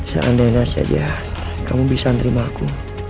seandainya saja kamu bisa menerima aku